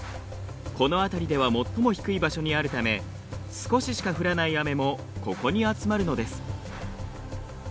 この辺りでは最も低い場所にあるため少ししか降らない雨もここに集まるのです。